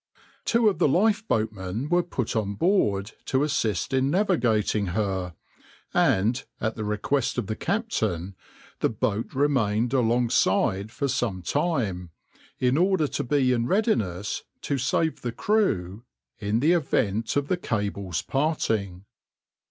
Two of the lifeboatmen were put on board to assist in navigating her, and, at the request of the captain, the boat remained alongside for some time, in order to be in readiness to save the crew in the event of the cables parting.